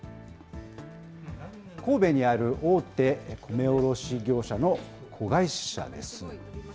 神戸にある大手コメ卸業者の子会社です。